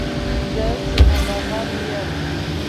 زه سینه بغل یم.